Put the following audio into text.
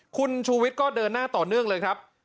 คุณชูวิทย์ก็เดินหน้าต่อเนื่องเลยครับ